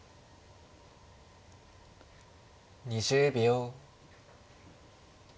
２０秒。